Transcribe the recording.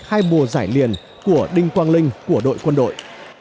hai mùa giải liền của đinh quang linh của đội quân đội